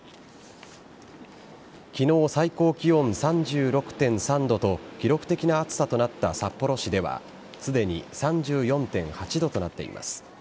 昨日、最高気温３６．３度と記録的な暑さとなった札幌市ではすでに３４．８度となっています。